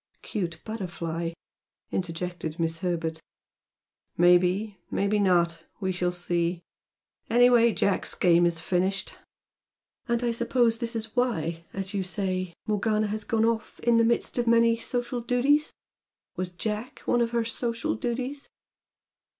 "Cute butterfly!" interjected Miss Herbert. "Maybe. Maybe not. We shall see. Anyway Jack's game is finished." "And I suppose this is why, as you say, Morgana has gone off 'in the midst of many social duties'? Was Jack one of her social duties?"